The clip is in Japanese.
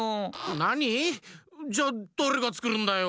なに⁉じゃあだれがつくるんだよ？